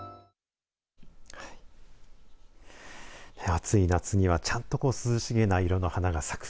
暑い夏にはちゃんと涼しげな色の花が咲く。